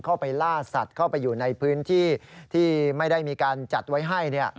เข้าไปล่าสัตว์เข้าไปอยู่ในพื้นที่ที่ไม่ได้มีการจัดไว้ให้